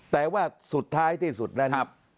แต่ว่าสุดท้ายที่สุดนั้น